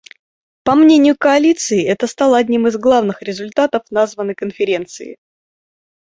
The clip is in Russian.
По мнению Коалиции, это стало одним из главных результатов названной Конференции.